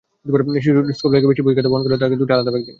শিশুর স্কুলব্যাগে বেশি বইখাতা বহন করতে হলে তাকে দুটি আলাদা ব্যাগ দিন।